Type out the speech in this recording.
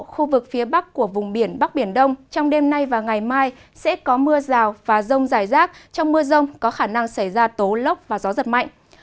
khu vực phía bắc của vùng biển bắc biển đông trong đêm nay và ngày mai sẽ có mưa rào và rông rải rác trong mưa rông có khả năng xảy ra tố lốc và gió giật mạnh